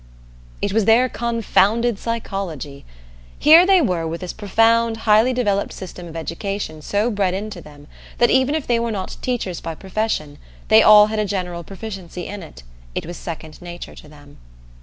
It was their confounded psychology! Here they were with this profound highly developed system of education so bred into them that even if they were not teachers by profession they all had a general proficiency in it it was second nature to them.